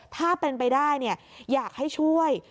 ถ้าเป็นไปได้อยากให้ช่วย